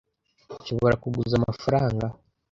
Nshobora kuguza amafaranga?